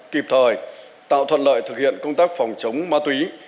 kịp thời tạo thuận lợi thực hiện công tác phòng chống ma túy